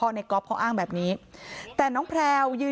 คำให้การในกอล์ฟนี่คือคำให้การในกอล์ฟนี่คือ